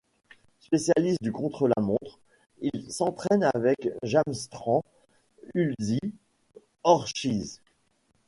Spécialiste du contre-la-montre, il s'entraîne avec Jamsran Ulzii-Orshikh.